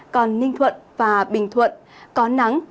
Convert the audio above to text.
còn ninh thuận và bình thuận có nắng